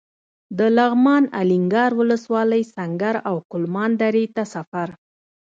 د لغمان الینګار ولسوالۍ سنګر او کلمان درې ته سفر.